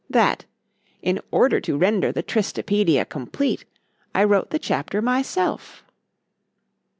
——That, in order to render the Tristra pædia complete,—I wrote the chapter myself.